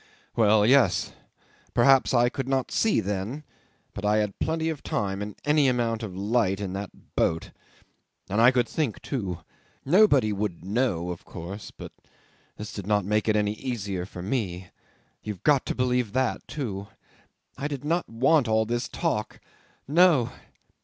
"Well, yes! Perhaps I could not see then. But I had plenty of time and any amount of light in that boat. And I could think, too. Nobody would know, of course, but this did not make it any easier for me. You've got to believe that, too. I did not want all this talk. ... No